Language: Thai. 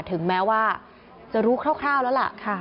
ถึงแม้ว่าจะรู้คร่าวแล้วล่ะ